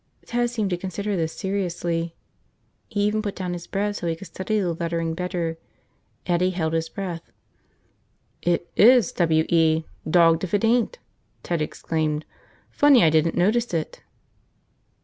Ted seemed to consider this seriously. He even put down his bread so he could study the lettering better. Eddie held his breath. "It is W E, dogged if it ain't!" Ted exclaimed. "Funny I didn't notice it!"